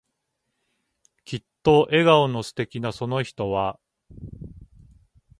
きっと笑顔の素敵なその人は、